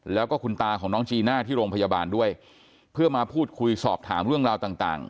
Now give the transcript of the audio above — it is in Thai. แล้วก็คุณตาของน้องจีน่าที่โรงพยาบาลด้วยเพื่อมาพูดคุยสอบถามเรื่องราวต่าง